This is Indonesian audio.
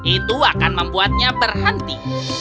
itu akan membuatnya berhenti